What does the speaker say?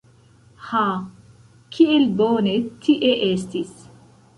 Ha, kiel bone tie estis!